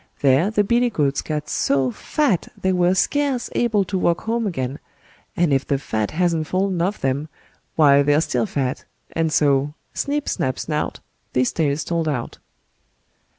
There the billy goats got so fat they were scarce able to walk home again; and if the fat hasn't fallen off them, why they're still fat; and so: Snip, snap, snout, This tale's told out.